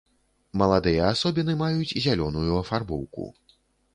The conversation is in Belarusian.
Маладыя асобіны маюць зялёную афарбоўку.